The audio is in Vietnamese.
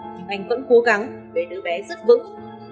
thì anh vẫn cố gắng để đứa bé rất vững